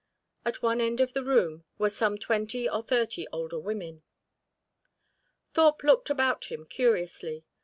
At one end of the room were some twenty or thirty older women. Thorpe looked about him curiously.